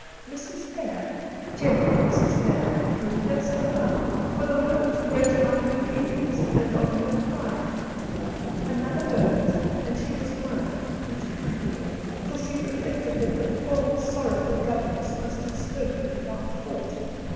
Mrs. Hare, gentle Mrs. Hare, drew herself up, for the words grated on her feelings and on her pride. Another moment, and she was mild and kind again, for she reflected that the poor, sorrowful governess must have spoken without thought.